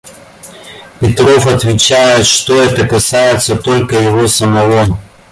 Петров отвечает, что это касается только его самого.